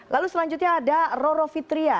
lalu selanjutnya ada roro fitria